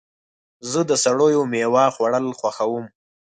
زه د سړو میوو خوړل خوښوم.